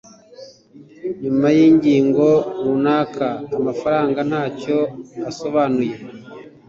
Nyuma yingingo runaka, amafaranga ntacyo asobanuye.